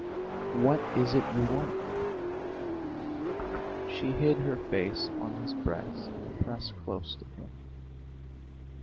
"What is it you want?" She hid her face on his breast and pressed close to him.